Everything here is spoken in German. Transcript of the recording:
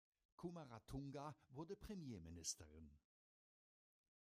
Kumaratunga wurde Premierministerin.